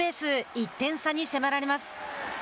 １点差に迫られます。